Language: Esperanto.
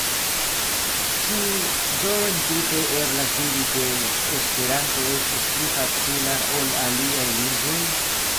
Ĉu do entute eblas diri, ke Esperanto estas pli facila ol aliaj lingvoj?